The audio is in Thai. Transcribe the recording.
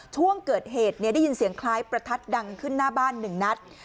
ช่วงเกิดเหตุได้ยินเสียงคล้ายประทัดดังขึ้นหน้าบ้าน๑นัด